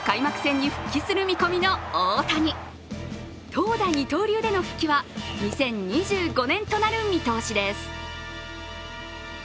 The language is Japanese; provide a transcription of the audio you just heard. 投打二刀流での復帰は２０２５年となる見通しです。